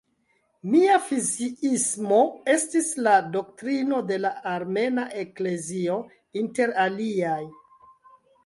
Miafiziismo estis la doktrino de la Armena Eklezio inter aliaj.